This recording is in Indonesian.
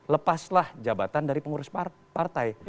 lepaslah jabatan dari pengurus partai